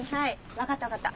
分かった分かった。